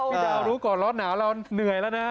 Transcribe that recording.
พี่ดาวรู้ก่อนร้อนหนาวเราเหนื่อยแล้วนะ